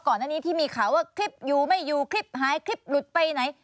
ก่อนอันนี้ที่มีข่าวว่าคลิปอยู่ไม่อยู่คลิปหายคลิปหลุดไปไหน